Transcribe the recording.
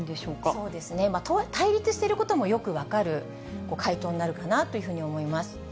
そうですね。対立していることもよく分かる回答になるかなというふうに思います。